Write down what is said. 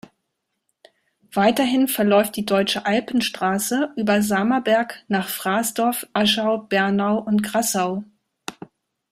Weiterhin verläuft die "Deutsche Alpenstraße" über Samerberg nach Frasdorf, Aschau, Bernau und Grassau.